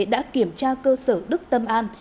đã kiểm tra cơ sở đức tâm an